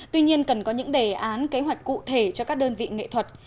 tuy nhiên cần có những đề án kế hoạch cụ thể cho các đơn vị nghệ thuật